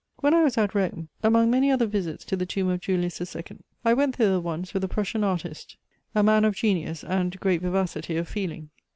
When I was at Rome, among many other visits to the tomb of Julius II. I went thither once with a Prussian artist, a man of genius and great vivacity of feeling.